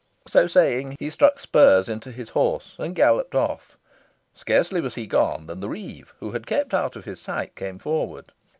So saying, he struck spurs into his horse and galloped off. Scarcely was he gone than the reeve, who had kept out of his sight, came forward.